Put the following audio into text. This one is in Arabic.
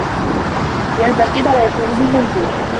لِأَنَّ الْكِبْرَ يَكُونُ بِالْمَنْزِلَةِ